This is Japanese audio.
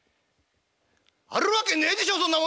「あるわけねえでしょそんなもの！」。